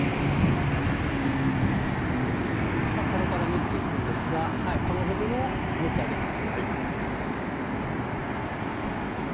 これから縫っていくんですがこの部分を縫ってあげます。